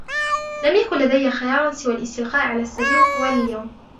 لم يكن لدي خيار سوی الاستلقاء علی السرير طوال اليوم.